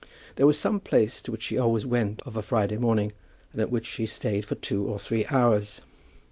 There was some place to which she always went of a Friday morning, and at which she stayed for two or three hours.